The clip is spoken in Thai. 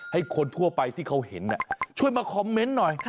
ให้คนทั่วไปที่เขาเห็นช่วยมาคอมเมนต์หน่อย